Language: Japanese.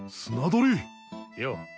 よう。